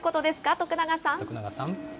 徳永さん。